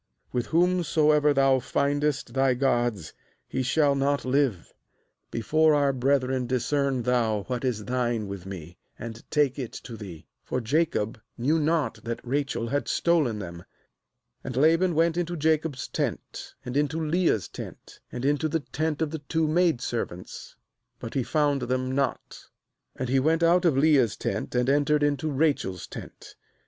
32With whomsoever thou findest thy gods, he shall not live; before our brethren discern thou what is thine with me, and take it to thee.' — For Jacob knew not that Rachel had stolen them. — ^And Laban went into Jacob's tent, and into Leah's tent, and into the tent of the two maid servants; but he found them not. And he went out of Leah's tent, and entered into Rachel's tent.